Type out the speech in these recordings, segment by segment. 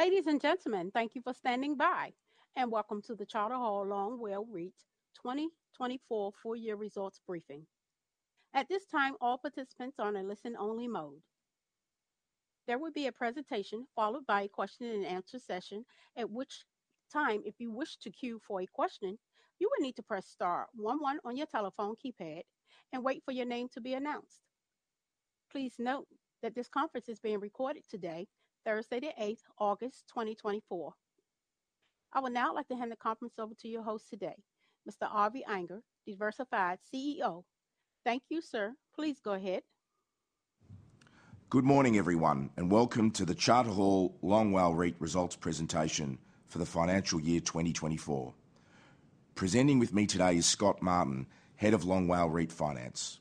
Ladies and gentlemen, thank you for standing by, and welcome to the Charter Hall Long WALE REIT 2024 full year results briefing. At this time, all participants are in a listen-only mode. There will be a presentation followed by a question and answer session, at which time, if you wish to queue for a question, you will need to press star one one on your telephone keypad and wait for your name to be announced. Please note that this conference is being recorded today, Thursday, 8 August 2024. I would now like to hand the conference over to your host today, Mr. Avi Anger, Diversified CEO. Thank you, sir. Please go ahead. Good morning, everyone, and welcome to the Charter Hall Long WALE REIT results presentation for the financial year 2024. Presenting with me today is Scott Martin, Head of Long WALE REIT Finance.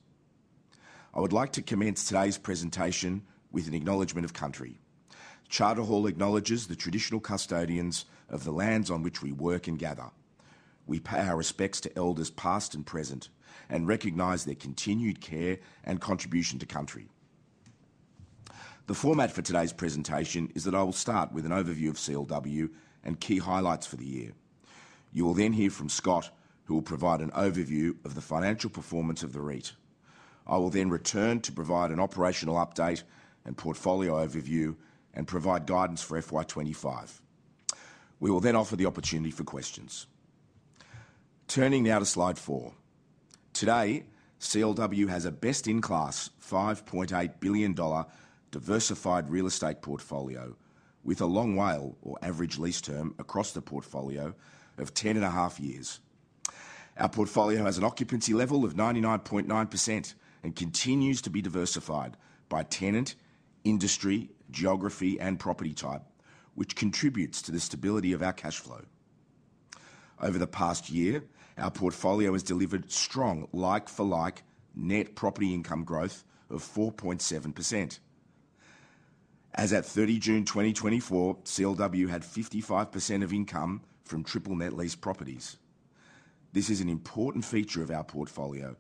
I would like to commence today's presentation with an acknowledgment of country. Charter Hall acknowledges the traditional custodians of the lands on which we work and gather. We pay our respects to elders, past and present, and recognize their continued care and contribution to country. The format for today's presentation is that I will start with an overview of CLW and key highlights for the year. You will then hear from Scott, who will provide an overview of the financial performance of the REIT. I will then return to provide an operational update and portfolio overview and provide guidance for FY 2025. We will then offer the opportunity for questions. Turning now to slide 4. Today, CLW has a best-in-class 5.8 billion dollar diversified real estate portfolio with a long WALE, or average lease term, across the portfolio of 10.5 years. Our portfolio has an occupancy level of 99.9% and continues to be diversified by tenant, industry, geography, and property type, which contributes to the stability of our cash flow. Over the past year, our portfolio has delivered strong like-for-like net property income growth of 4.7%. As at 30 June 2024, CLW had 55% of income from triple net lease properties. This is an important feature of our portfolio,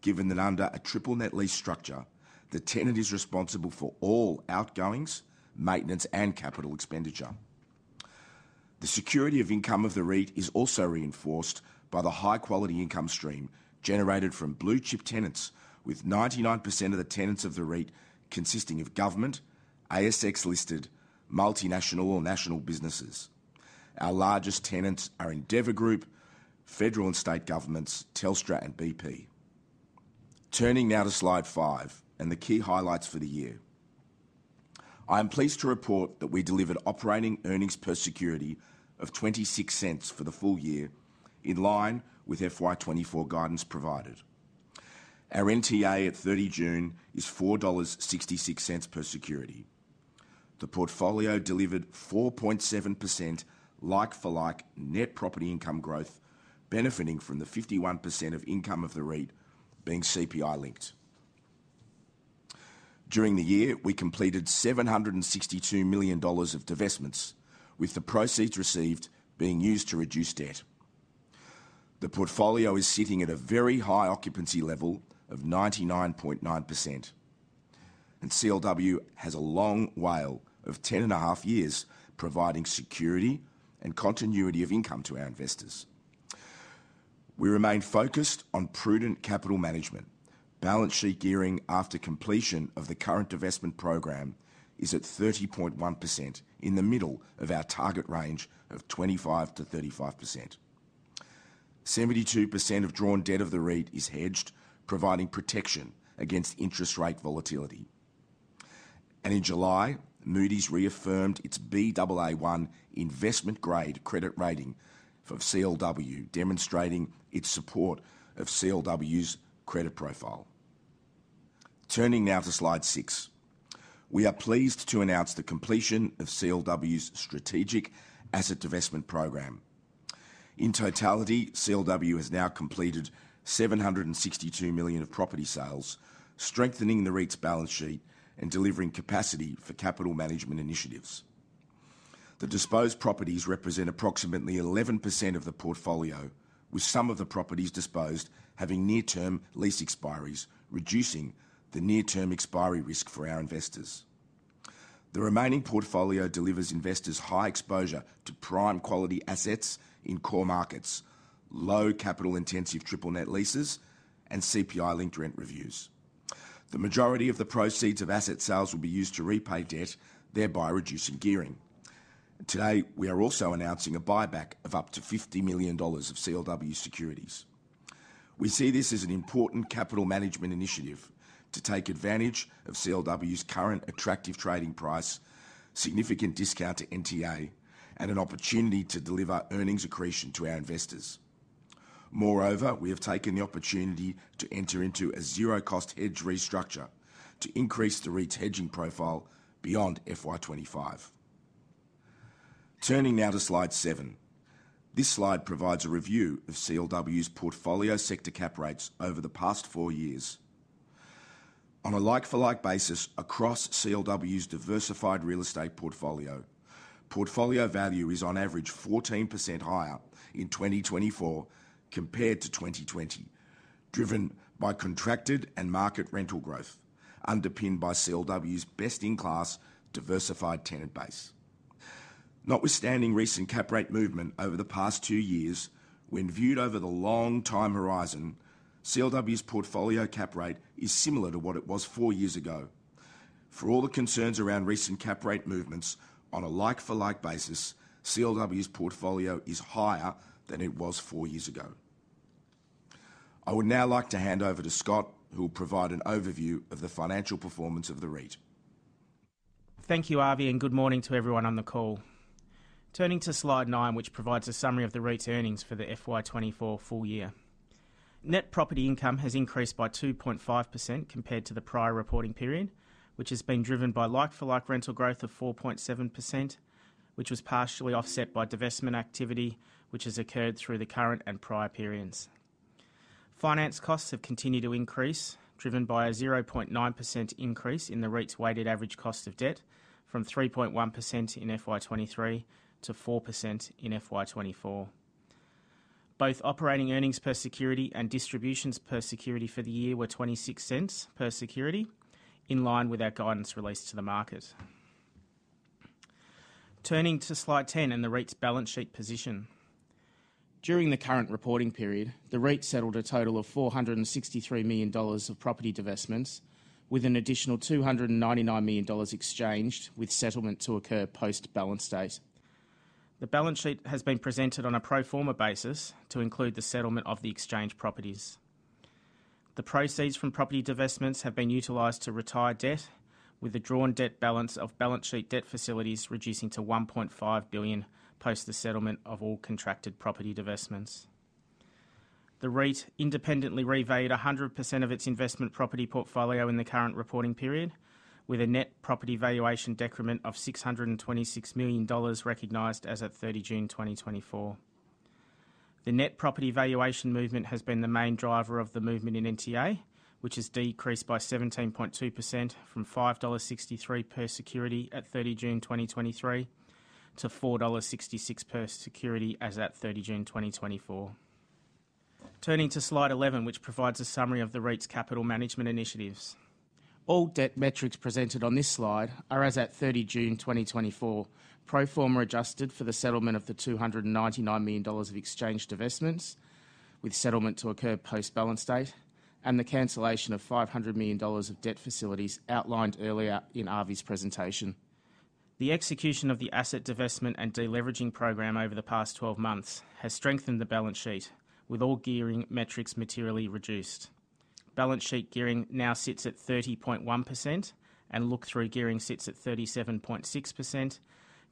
given that under a triple net lease structure, the tenant is responsible for all outgoings, maintenance, and capital expenditure. The security of income of the REIT is also reinforced by the high-quality income stream generated from blue-chip tenants, with 99% of the tenants of the REIT consisting of government, ASX-listed, multinational or national businesses. Our largest tenants are Endeavour Group, federal and state governments, Telstra and BP. Turning now to slide 5 and the key highlights for the year. I am pleased to report that we delivered operating earnings per security of 0.26 for the full year, in line with FY 2024 guidance provided. Our NTA at 30 June is 4.66 dollars per security. The portfolio delivered 4.7% like-for-like net property income growth, benefiting from the 51% of income of the REIT being CPI-linked. During the year, we completed 762 million dollars of divestments, with the proceeds received being used to reduce debt. The portfolio is sitting at a very high occupancy level of 99.9%, and CLW has a long WALE of 10.5 years, providing security and continuity of income to our investors. We remain focused on prudent capital management. Balance sheet gearing after completion of the current divestment program is at 30.1% in the middle of our target range of 25%-35%. 72% of drawn debt of the REIT is hedged, providing protection against interest rate volatility. In July, Moody’s reaffirmed its Baa1 investment-grade credit rating for CLW, demonstrating its support of CLW's credit profile. Turning now to slide 6, we are pleased to announce the completion of CLW's strategic asset divestment program. In totality, CLW has now completed 762 million of property sales, strengthening the REIT's balance sheet and delivering capacity for capital management initiatives. The disposed properties represent approximately 11% of the portfolio, with some of the properties disposed having near-term lease expiries, reducing the near-term expiry risk for our investors. The remaining portfolio delivers investors high exposure to prime quality assets in core markets, low capital intensive triple net leases and CPI-linked rent reviews. The majority of the proceeds of asset sales will be used to repay debt, thereby reducing gearing. Today, we are also announcing a buyback of up to 50 million dollars of CLW securities. We see this as an important capital management initiative to take advantage of CLW's current attractive trading price, significant discount to NTA, and an opportunity to deliver earnings accretion to our investors. Moreover, we have taken the opportunity to enter into a zero-cost hedge restructure to increase the REIT's hedging profile beyond FY 2025. Turning now to slide 7. This slide provides a review of CLW's portfolio sector cap rates over the past four years. On a like-for-like basis across CLW's diversified real estate portfolio, portfolio value is on average 14% higher in 2024 compared to 2020, driven by contracted and market rental growth, underpinned by CLW's best-in-class diversified tenant base. Notwithstanding recent cap rate movement over the past two years, when viewed over the long time horizon, CLW's portfolio cap rate is similar to what it was four years ago. For all the concerns around recent cap rate movements, on a like-for-like basis, CLW's portfolio is higher than it was four years ago. I would now like to hand over to Scott, who will provide an overview of the financial performance of the REIT. Thank you, Avi, and good morning to everyone on the call. Turning to slide 9, which provides a summary of the REIT's earnings for the FY 2024 full year. Net property income has increased by 2.5% compared to the prior reporting period, which has been driven by like-for-like rental growth of 4.7%, which was partially offset by divestment activity, which has occurred through the current and prior periods. Finance costs have continued to increase, driven by a 0.9% increase in the REIT's weighted average cost of debt from 3.1% in FY 2023 to 4% in FY 2024. Both operating earnings per security and distributions per security for the year were 0.26 per security, in line with our guidance released to the market. Turning to slide 10 and the REIT's balance sheet position. During the current reporting period, the REIT settled a total of 463 million dollars of property divestments, with an additional 299 million dollars exchanged, with settlement to occur post-balance date. The balance sheet has been presented on a pro forma basis to include the settlement of the exchange properties. The proceeds from property divestments have been utilized to retire debt, with the drawn debt balance of balance sheet debt facilities reducing to 1.5 billion, post the settlement of all contracted property divestments. The REIT independently revalued 100% of its investment property portfolio in the current reporting period, with a net property valuation decrement of 626 million dollars recognized as at 30 June 2024. The net property valuation movement has been the main driver of the movement in NTA, which has decreased by 17.2% from 5.63 dollars per security at 30 June 2023, to 4.66 dollars per security as at 30 June 2024. Turning to slide 11, which provides a summary of the REIT's capital management initiatives. All debt metrics presented on this slide are as at 30 June 2024, pro forma adjusted for the settlement of 299 million dollars of exchanged divestments, with settlement to occur post-balance date, and the cancellation of 500 million dollars of debt facilities outlined earlier in Avi's presentation. The execution of the asset divestment and de-leveraging program over the past 12 months has strengthened the balance sheet, with all gearing metrics materially reduced. Balance sheet gearing now sits at 30.1%, and look-through gearing sits at 37.6%,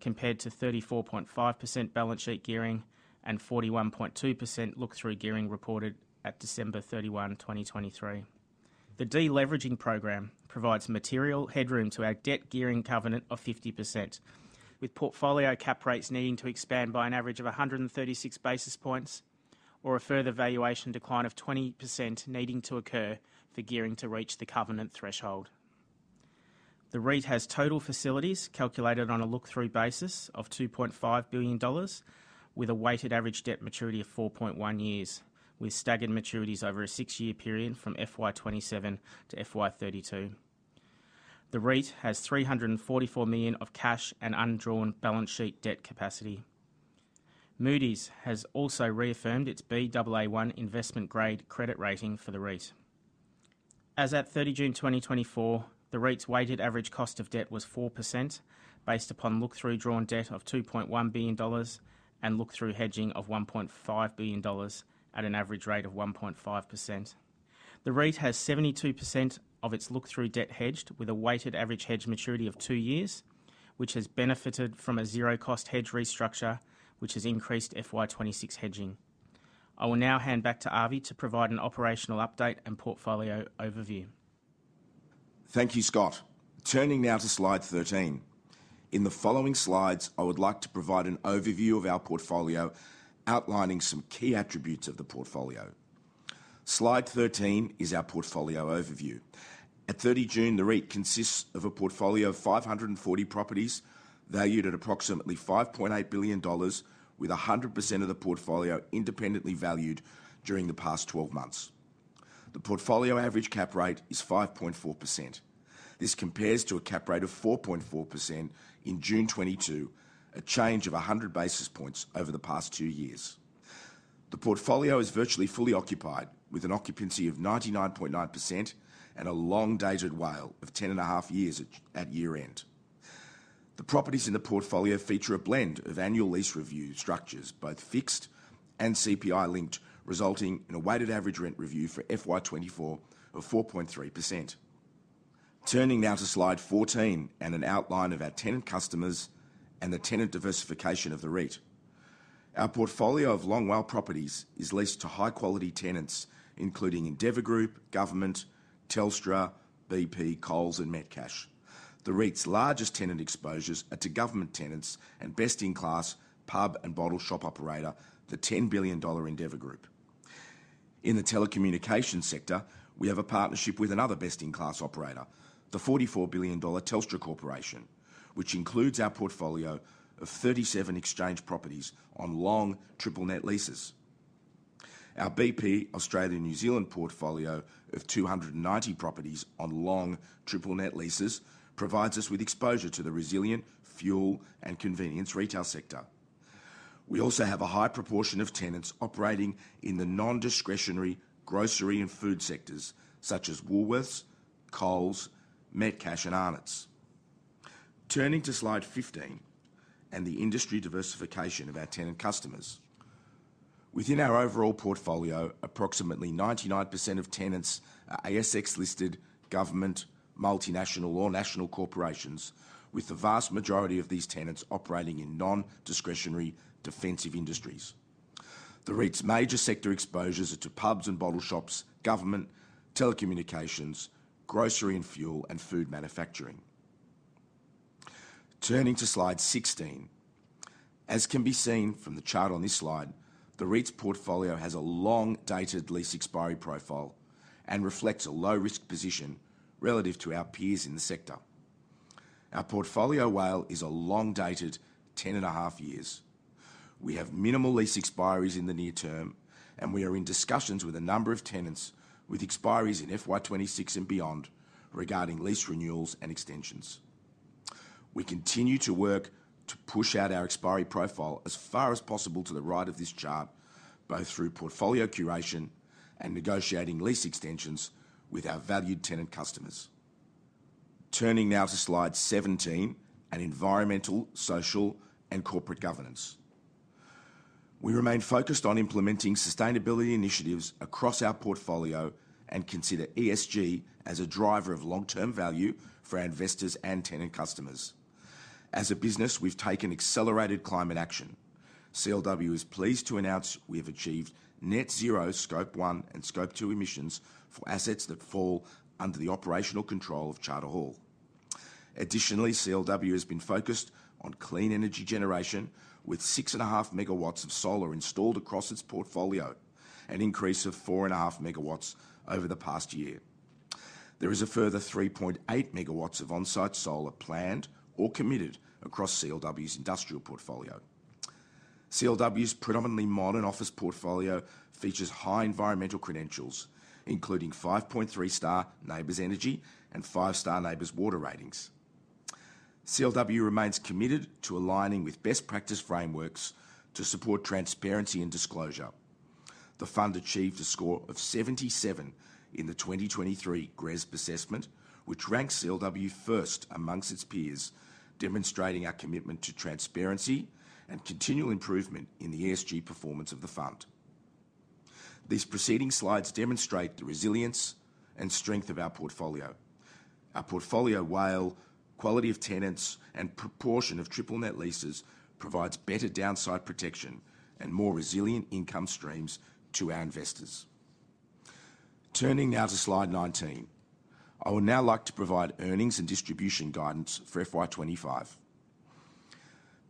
compared to 34.5% balance sheet gearing and 41.2% look-through gearing reported at December 31, 2023. The de-leveraging program provides material headroom to our debt gearing covenant of 50%, with portfolio cap rates needing to expand by an average of 136 basis points, or a further valuation decline of 20% needing to occur for gearing to reach the covenant threshold. The REIT has total facilities calculated on a look-through basis of 2.5 billion dollars, with a weighted average debt maturity of 4.1 years, with staggered maturities over a 6-year period from FY 2027 to FY 2032. The REIT has 344 million of cash and undrawn balance sheet debt capacity. Moody’s has also reaffirmed its Baa1 investment grade credit rating for the REIT. As at 30 June 2024, the REIT's weighted average cost of debt was 4%, based upon look-through drawn debt of 2.1 billion dollars and look-through hedging of 1.5 billion dollars at an average rate of 1.5%. The REIT has 72% of its look-through debt hedged with a weighted average hedge maturity of 2 years, which has benefited from a zero-cost hedge restructure, which has increased FY 2026 hedging. I will now hand back to Avi to provide an operational update and portfolio overview. Thank you, Scott. Turning now to slide 13. In the following slides, I would like to provide an overview of our portfolio, outlining some key attributes of the portfolio. slide 13 is our portfolio overview. At 30 June, the REIT consists of a portfolio of 540 properties, valued at approximately 5.8 billion dollars, with 100% of the portfolio independently valued during the past 12 months. The portfolio average cap rate is 5.4%. This compares to a cap rate of 4.4% in June 2022, a change of 100 basis points over the past two years. The portfolio is virtually fully occupied, with an occupancy of 99.9% and a long-dated WALE of 10.5 years at year-end. The properties in the portfolio feature a blend of annual lease review structures, both fixed and CPI-linked, resulting in a weighted average rent review for FY 2024 of 4.3%. Turning now to slide 14 and an outline of our tenant customers and the tenant diversification of the REIT. Our portfolio of long WALE properties is leased to high-quality tenants, including Endeavour Group, Government, Telstra, BP, Coles, and Metcash. The REIT's largest tenant exposures are to government tenants and best-in-class pub and bottle shop operator, the 10 billion dollar Endeavour Group. In the telecommunication sector, we have a partnership with another best-in-class operator, the 44 billion dollar Telstra Corporation, which includes our portfolio of 37 exchange properties on long triple net leases. Our BP Australia, New Zealand portfolio of 290 properties on long triple net leases provides us with exposure to the resilient fuel and convenience retail sector. We also have a high proportion of tenants operating in the non-discretionary grocery and food sectors, such as Woolworths, Coles, Metcash, and Arnott's. Turning to slide 15 and the industry diversification of our tenant customers. Within our overall portfolio, approximately 99% of tenants are ASX-listed government, multinational, or national corporations, with the vast majority of these tenants operating in non-discretionary defensive industries. The REIT's major sector exposures are to pubs and bottle shops, government, telecommunications, grocery and fuel, and food manufacturing. Turning to slide 16. As can be seen from the chart on this slide, the REIT's portfolio has a long-dated lease expiry profile and reflects a low-risk position relative to our peers in the sector. Our portfolio WALE is a long-dated 10.5 years. We have minimal lease expiries in the near term, and we are in discussions with a number of tenants with expiries in FY 2026 and beyond regarding lease renewals and extensions. We continue to work to push out our expiry profile as far as possible to the right of this chart, both through portfolio curation and negotiating lease extensions with our valued tenant customers. Turning now to slide 17, on environmental, social, and corporate governance. We remain focused on implementing sustainability initiatives across our portfolio and consider ESG as a driver of long-term value for our investors and tenant customers. As a business, we've taken accelerated climate action. CLW is pleased to announce we have achieved net zero scope one and scope two emissions for assets that fall under the operational control of Charter Hall. Additionally, CLW has been focused on clean energy generation, with 6.5 megawatts of solar installed across its portfolio, an increase of 4.5 megawatts over the past year. There is a further 3.8 megawatts of on-site solar planned or committed across CLW's industrial portfolio. CLW's predominantly modern office portfolio features high environmental credentials, including 5.3-star NABERS energy and 5-star NABERS water ratings. CLW remains committed to aligning with best practice frameworks to support transparency and disclosure. The fund achieved a score of 77 in the 2023 GRESB assessment, which ranks CLW first amongst its peers, demonstrating our commitment to transparency and continual improvement in the ESG performance of the fund. These preceding slides demonstrate the resilience and strength of our portfolio. Our portfolio WALE, quality of tenants, and proportion of triple net leases provides better downside protection and more resilient income streams to our investors. Turning now to slide 19. I would now like to provide earnings and distribution guidance for FY 2025.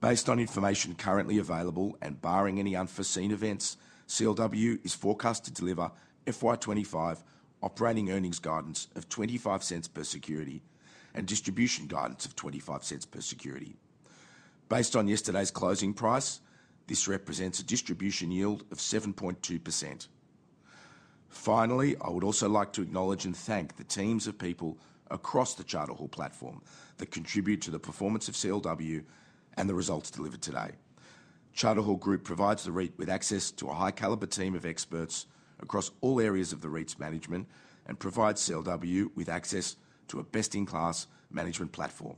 Based on information currently available and barring any unforeseen events, CLW is forecast to deliver FY 2025 operating earnings guidance of 0.25 per security and distribution guidance of 0.25 per security. Based on yesterday's closing price, this represents a distribution yield of 7.2%. Finally, I would also like to acknowledge and thank the teams of people across the Charter Hall platform that contribute to the performance of CLW and the results delivered today. Charter Hall Group provides the REIT with access to a high caliber team of experts across all areas of the REIT's management and provides CLW with access to a best-in-class management platform.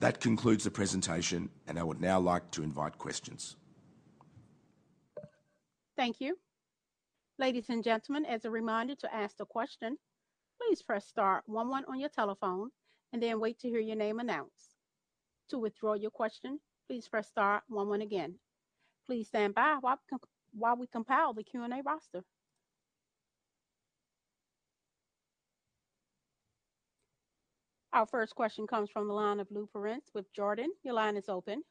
That concludes the presentation, and I would now like to invite questions. Thank you. Ladies and gentlemen, as a reminder to ask the question, please press star one one on your telephone and then wait to hear your name announced. To withdraw your question, please press star one one again. Please stand by while we compile the Q&A roster. Our first question comes from the line of Lou Pirenc with Jarden. Your line is open.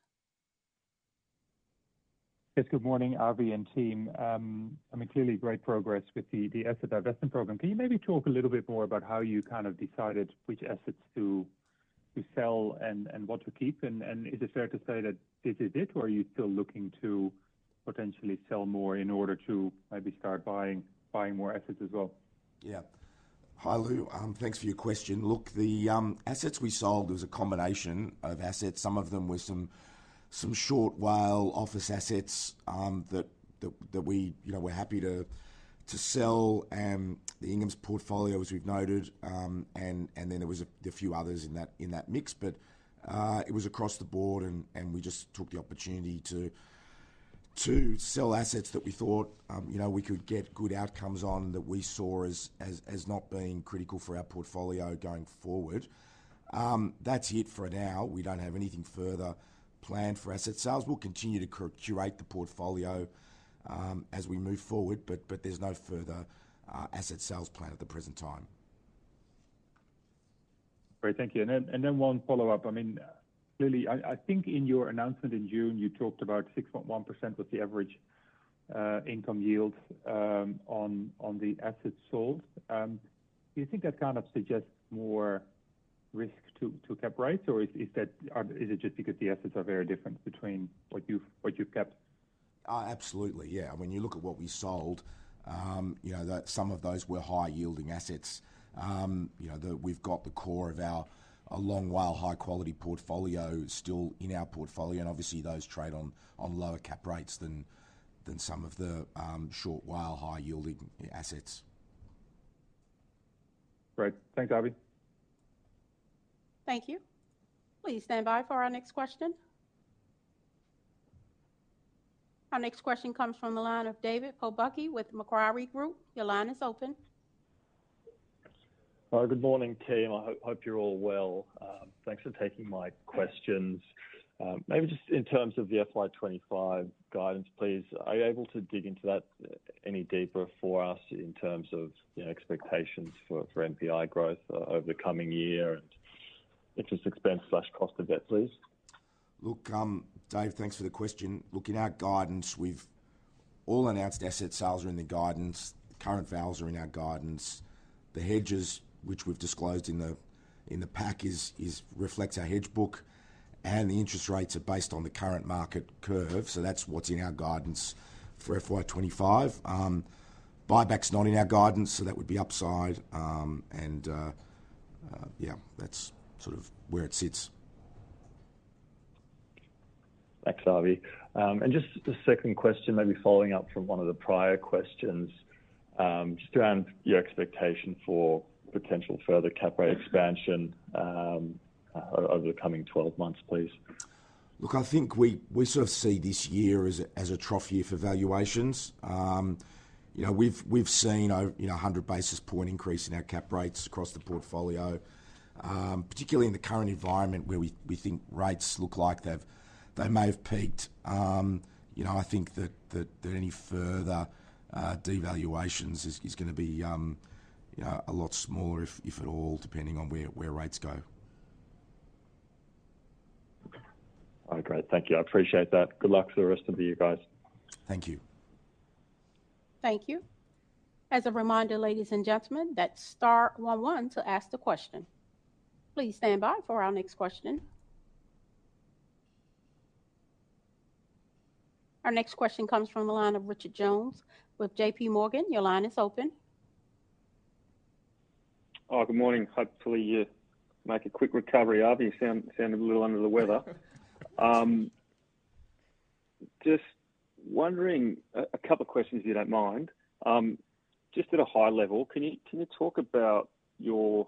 Yes, good morning, Avi and team. I mean, clearly great progress with the asset divesting program. Can you maybe talk a little bit more about how you kind of decided which assets to sell and what to keep? And is it fair to say that this is it, or are you still looking to potentially sell more in order to maybe start buying more assets as well? Yeah. Hi, Lou. Thanks for your question. Look, the assets we sold was a combination of assets. Some of them were some short WALE office assets that we, you know, were happy to sell. The Inghams portfolio, as we've noted, and then there was a few others in that mix. But it was across the board and we just took the opportunity to sell assets that we thought, you know, we could get good outcomes on, that we saw as not being critical for our portfolio going forward. That's it for now. We don't have anything further planned for asset sales. We'll continue to curate the portfolio as we move forward, but there's no further asset sales plan at the present time. Great. Thank you. And then one follow-up. I mean, clearly, I think in your announcement in June, you talked about 6.1% was the average income yield on the assets sold. Do you think that kind of suggests more risk to cap rate, or is that just because the assets are very different between what you've kept? Absolutely, yeah. I mean, you look at what we sold, you know, that some of those were high-yielding assets. You know, we've got the core of our Long WALE high-quality portfolio still in our portfolio, and obviously those trade on lower cap rates than some of the short WALE high-yielding assets. Great. Thanks, Avi. Thank you. Please stand by for our next question. Our next question comes from the line of David Pobucky with Macquarie Group. Your line is open. Hi, good morning, team. I hope you're all well. Thanks for taking my questions. Maybe just in terms of the FY 2025 guidance, please, are you able to dig into that any deeper for us in terms of, you know, expectations for NPI growth over the coming year and interest expense/cost of debt, please? Look, Dave, thanks for the question. Look, in our guidance, we've all announced asset sales are in the guidance, current vals are in our guidance. The hedges, which we've disclosed in the pack, reflects our hedge book, and the interest rates are based on the current market curve. So that's what's in our guidance for FY 2025. Buyback's not in our guidance, so that would be upside. Yeah, that's sort of where it sits. Thanks, Avi. Just a second question, maybe following up from one of the prior questions, just around your expectation for potential further cap rate expansion, over the coming 12 months, please. Look, I think we sort of see this year as a trough year for valuations. You know, we've seen a 100 basis point increase in our cap rates across the portfolio, particularly in the current environment, where we think rates look like they've they may have peaked. You know, I think that any further devaluations is gonna be a lot smaller, if at all, depending on where rates go. Oh, great. Thank you. I appreciate that. Good luck for the rest of you guys. Thank you. Thank you. As a reminder, ladies and gentlemen, that's star one one to ask the question. Please stand by for our next question. Our next question comes from the line of Richard Jones with JPMorgan. Your line is open. Oh, good morning. Hopefully, you make a quick recovery. Avi, you sounded a little under the weather. Just wondering, a couple questions, if you don't mind. Just at a high level, can you talk about your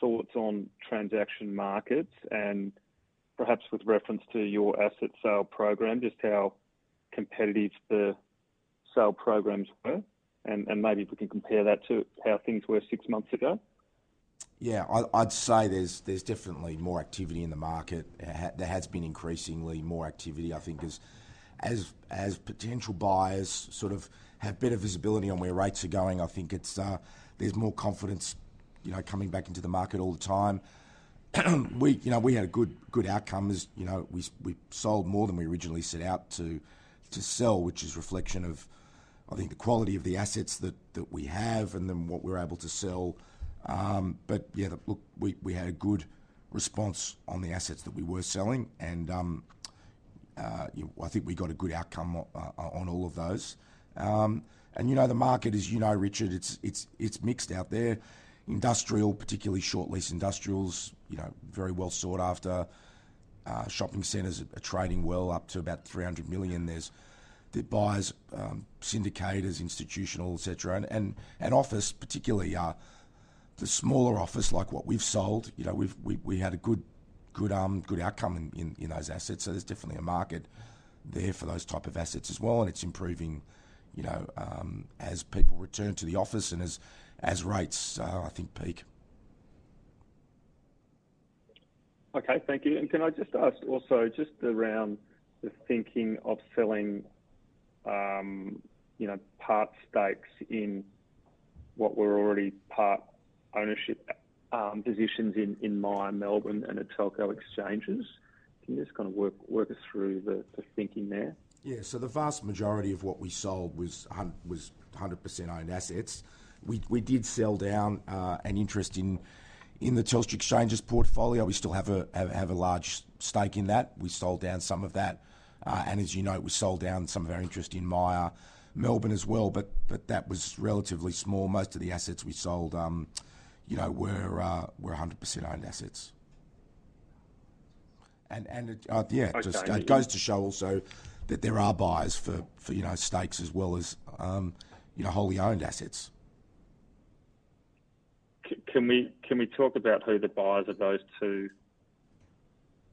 thoughts on transaction markets and perhaps with reference to your asset sale program, just how competitive the sale programs were? And maybe if we can compare that to how things were six months ago. Yeah. I'd say there's definitely more activity in the market. There has been increasingly more activity, I think, as potential buyers sort of have better visibility on where rates are going. I think it's, there's more confidence, you know, coming back into the market all the time. We, you know, we had a good outcome. As you know, we sold more than we originally set out to sell, which is a reflection of, I think, the quality of the assets that we have and then what we're able to sell. But yeah, look, we had a good response on the assets that we were selling, and, you know, I think we got a good outcome on all of those. And, you know, the market is, you know, Richard, it's mixed out there. Industrial, particularly short lease industrials, you know, very well sought after. Shopping centers are trading well up to about 300 million. There's the buyers, syndicators, institutional, et cetera. And office, particularly, the smaller office, like what we've sold, you know, we've had a good outcome in those assets. So there's definitely a market there for those type of assets as well, and it's improving, you know, as people return to the office and as rates, I think, peak. Okay, thank you. Can I just ask also, just around the thinking of selling, you know, part stakes in what were already part ownership positions in Myer Melbourne and Telco exchanges? Can you just kind of work us through the thinking there? Yeah. So the vast majority of what we sold was 100% owned assets. We did sell down an interest in the Telstra exchanges portfolio. We still have a large stake in that. We sold down some of that, and as you know, we sold down some of our interest in Myer Melbourne as well, but that was relatively small. Most of the assets we sold, you know, were 100% owned assets. And yeah- Okay. It goes to show also that there are buyers for, you know, stakes as well as, you know, wholly owned assets. Can we, can we talk about who the buyers of those two,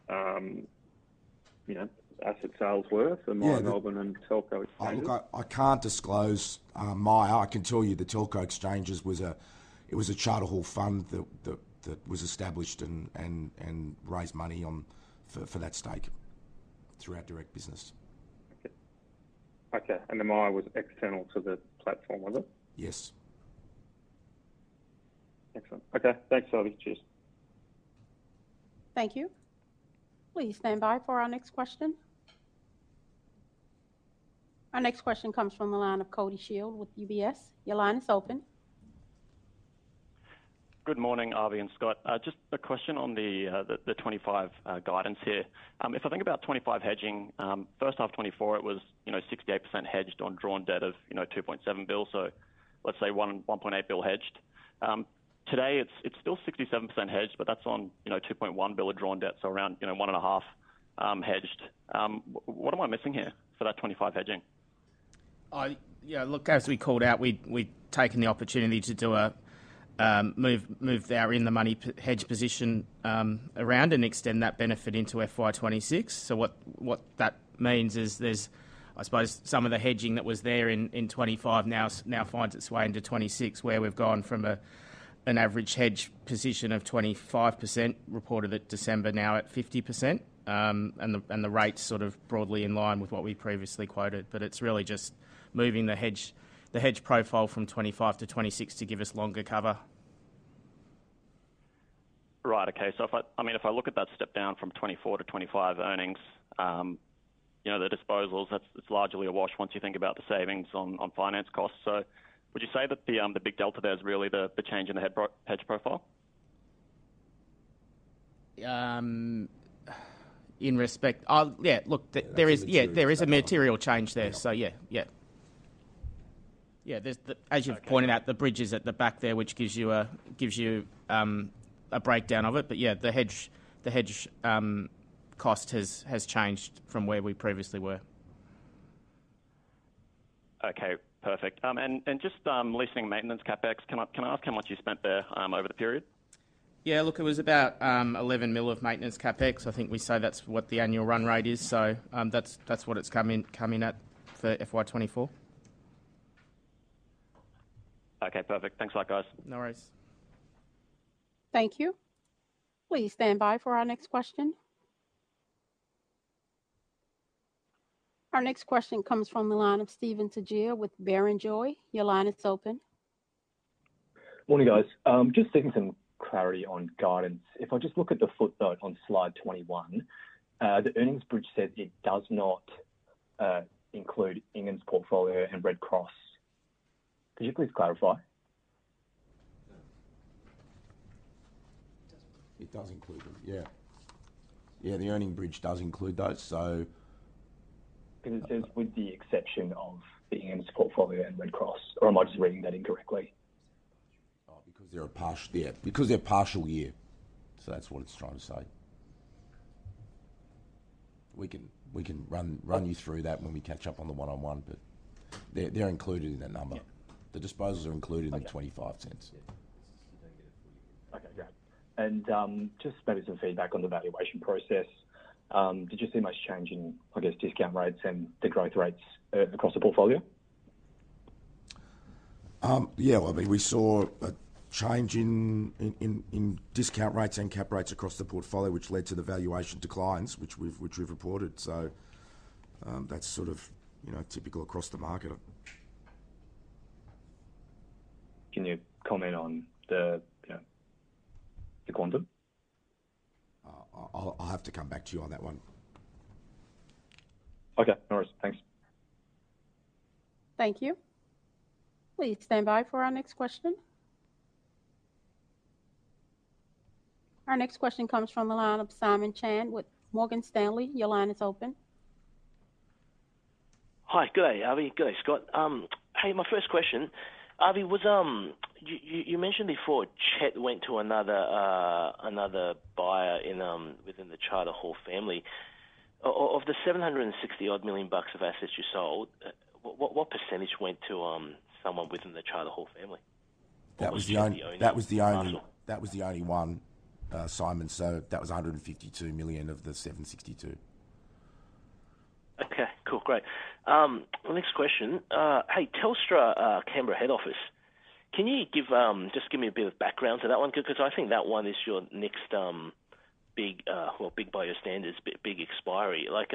you know, asset sales were? Yeah... for Myer Melbourne and Telco Exchanges? Look, I can't disclose Myer. I can tell you the Telco Exchanges was a Charter Hall fund that was established and raised money for that stake through our direct business. Okay. Okay, and the Myer was external to the platform, was it? Yes. Excellent. Okay. Thanks, Avi. Cheers. Thank you. Please stand by for our next question. Our next question comes from the line of Cody Shield with UBS. Your line is open. Good morning, Avi and Scott. Just a question on the 25 guidance here. If I think about 25 hedging, first half 2024, it was, you know, 68% hedged on drawn debt of, you know, 2.7 billion. So let's say 1.8 billion hedged. Today, it's still 67% hedged, but that's on, you know, 2.1 billion of drawn debt, so around, you know, 1.5 hedged. What am I missing here for that 25 hedging? Yeah, look, as we called out, we'd taken the opportunity to do a move our in-the-money hedge position around and extend that benefit into FY 2026. So what that means is there's, I suppose, some of the hedging that was there in 2025 now finds its way into 2026, where we've gone from an average hedge position of 25%, reported at December, now at 50%. And the rate's sort of broadly in line with what we previously quoted, but it's really just moving the hedge profile from 2025 to 2026 to give us longer cover. Right. Okay. So if I... I mean, if I look at that step down from 24 to 25 earnings, you know, the disposals, it's largely a wash once you think about the savings on finance costs. So would you say that the big delta there is really the change in the hedge profile? In respect, I'll. Yeah, look, there is. Yeah, that's- Yeah, there is a material change there. Yeah. Yeah. Yeah. Yeah, there's the- Okay. As you've pointed out, the bridge is at the back there, which gives you a breakdown of it. But yeah, the hedge cost has changed from where we previously were. Okay, perfect. And just leasing maintenance CapEx, can I ask how much you spent there over the period? Yeah, look, it was about 11 million of maintenance CapEx. I think we say that's what the annual run rate is. So, that's what it's come in at for FY 2024. Okay, perfect. Thanks a lot, guys. No worries. Thank you. Please stand by for our next question. Our next question comes from the line of Steven Tjia with Barrenjoey. Your line is open. Morning, guys. Just seeking some clarity on guidance. If I just look at the footnote on slide 21, the earnings bridge says it does not include Inghams portfolio and Red Cross. Could you please clarify? Yeah. It doesn't. It does include them, yeah. Yeah, the earnings bridge does include those, so- 'Cause it says, "With the exception of the Inghams portfolio and Red Cross," or am I just reading that incorrectly? Oh, because they're a partial, yeah, because they're partial year, so that's what it's trying to say. We can run you through that when we catch up on the one-on-one, but they're included in that number. Yeah. The disposals are included. Okay -in the 0.25. Yeah. You don't get a full year. Okay, great. And just maybe some feedback on the valuation process. Did you see much change in, I guess, discount rates and the growth rates across the portfolio? Yeah, well, I mean, we saw a change in discount rates and cap rates across the portfolio, which led to the valuation declines, which we've reported. So, that's sort of, you know, typical across the market. Can you comment on the, you know, the quantum? I'll have to come back to you on that one. Okay, no worries. Thanks. Thank you. Please stand by for our next question. Our next question comes from the line of Simon Chan with Morgan Stanley. Your line is open. Hi. Good day, Avi. Good day, Scott. Hey, my first question: Avi, you mentioned before CHET went to another buyer within the Charter Hall family. Of the 760 million bucks of assets you sold, what percentage went to someone within the Charter Hall family? That was the only- What was the ownership- That was the only- -ratio? That was the only one, Simon, so that was 152 million of the 762 million. Okay, cool. Great. The next question, hey, Telstra, Canberra head office, can you give, just give me a bit of background to that one? 'Cause I think that one is your next, big, or big by your standards, big expiry. Like,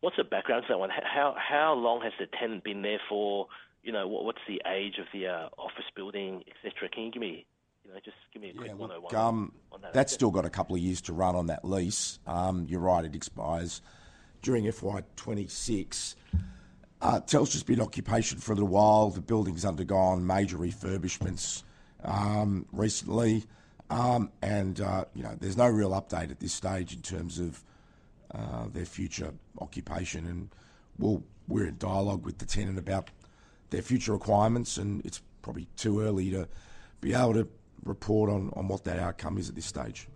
what's the background to that one? How long has the tenant been there for? You know, what, what's the age of the, office building, et cetera? Can you give me, you know, just give me a quick one-on-one on that one? That's still got a couple of years to run on that lease. You're right, it expires during FY 2026. Telstra's been in occupation for a little while. The building's undergone major refurbishments, recently. And, you know, there's no real update at this stage in terms of, their future occupation. Well, we're in dialogue with the tenant about their future requirements, and it's probably too early to be able to report on what that outcome is at this stage.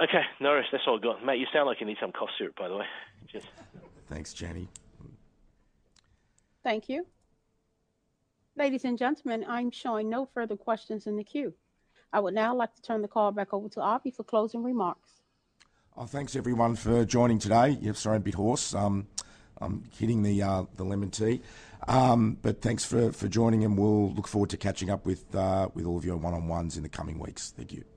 Okay, no worries. That's all good. Mate, you sound like you need some cough syrup, by the way. Cheers. Thanks, Jenny. Thank you. Ladies and gentlemen, I'm showing no further questions in the queue. I would now like to turn the call back over to Avi for closing remarks. Thanks, everyone, for joining today. Yeah, sorry, I'm a bit hoarse. I'm hitting the lemon tea. But thanks for joining, and we'll look forward to catching up with all of you on one-on-ones in the coming weeks. Thank you.